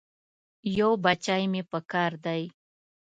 یو بچی مې پکار دی.